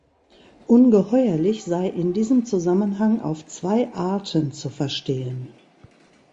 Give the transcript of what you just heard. Ungeheuerlich sei in diesem Zusammenhang auf zwei Arten zu verstehen.